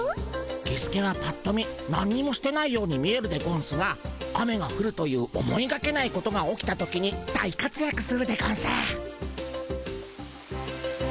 キスケはぱっと見なんにもしてないように見えるでゴンスが雨がふるという思いがけないことが起きた時に大かつやくするでゴンス。